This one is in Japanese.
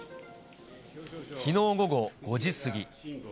きのう午後５時過ぎ。